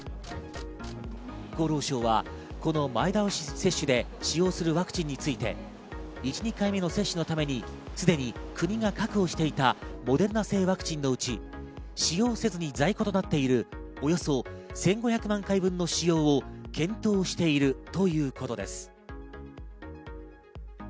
厚労省はこの前倒し接種で使用するワクチンについて、１・２回目の接種のためにすでに国が確保していたモデルナ製ワクチンのうち使用せずに在庫となっている、およそ１５００万回分の使用を検討しているということです。